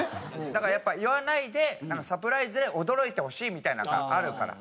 だからやっぱ言わないでサプライズで驚いてほしいみたいなのがあるから。